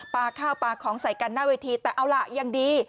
ข้าวปลาของใส่กันหน้าเวทีแต่เอาล่ะยังดี